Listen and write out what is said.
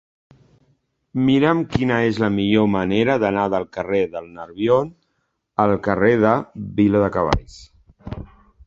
Mira'm quina és la millor manera d'anar del carrer del Nerbion al carrer de Viladecavalls.